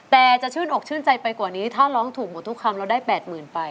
แต่จะชื่นอกชื่นใจไปกว่านี้ถ้าร้องถูกหมดทุกคำเราได้๘๐๐๐ไป